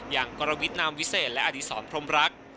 กรวิทนามวิเศษและอดีศรพรมรัก